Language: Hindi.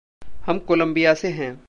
हम कोलंबिया से हैं।